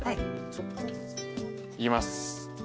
いきます。